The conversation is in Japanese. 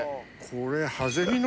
これ。